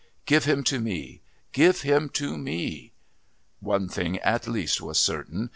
"Give him to me! Give him to me!" One thing at least was certain.